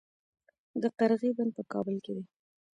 د قرغې بند په کابل کې دی